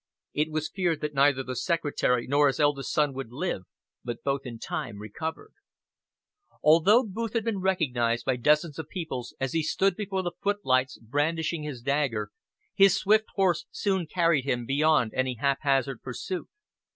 It was feared that neither the Secretary nor his eldest son would live, but both in time recovered. Although Booth had been recognized by dozens of people as he stood before the footlights brandishing his dagger, his swift horse soon carried him beyond any hap hazard pursuit.